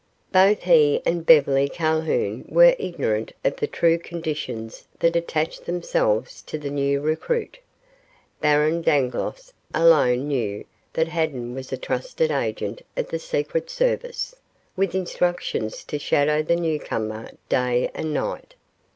Both he and Beverly Calhoun were ignorant of the true conditions that attached themselves to the new recruit. Baron Dangloss alone knew that Haddan was a trusted agent of the secret service, with instructions to shadow the newcomer day and night.